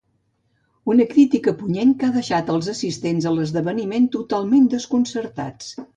Una crítica punyent que ha deixat els assistents a l’esdeveniment totalment desconcertats.